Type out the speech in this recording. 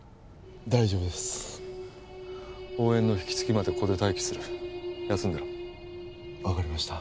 大丈夫です応援の引き継ぎまでここで待機する休んでろ分かりました